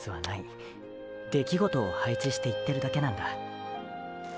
“出来事”を配置していってるだけなんだ。！